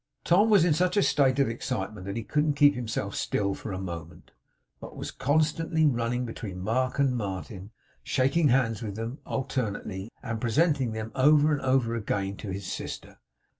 Tom was in such a state of excitement that he couldn't keep himself still for a moment, but was constantly running between Mark and Martin, shaking hands with them alternately, and presenting them over and over again to his sister.